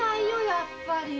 やっぱり。